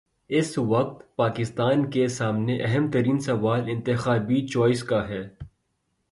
اس وقت پاکستان کے سامنے اہم ترین سوال انتخابی چوائس کا ہے۔